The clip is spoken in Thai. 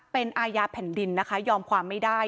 เป็นอาญาแผ่นดินนะคะยอมความไม่ได้